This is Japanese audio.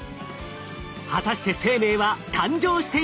果たして生命は誕生していたのか？